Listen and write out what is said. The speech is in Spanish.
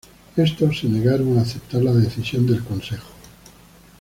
Estos se negaron a aceptar la decisión del consejo.